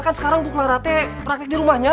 kan sekarang untuk melarate praktek di rumahnya